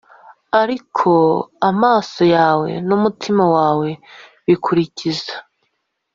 Ariko amaso yawe n umutima wawe bikurikiza